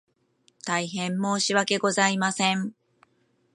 大変申し訳ございません